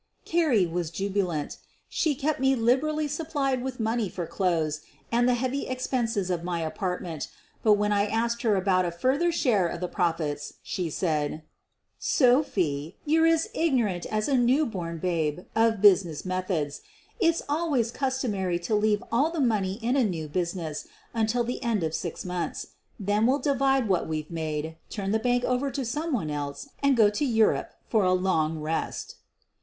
Carrie was jubiliant. She kept me liberally sup plied with money for clothes and the heavy expenses of my apartment, but when I asked her about a further share of the profits she said: "Sophie, you're as ignorant as a new born babe 98 SOPHIE LYONS of business methods. It's always customary to leave all the money in a new business until the end of six months. Then we '11 divide what we Ve made, turn the bank over to someone else and go to Eu rope for a long rest."